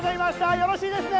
よろしいですね？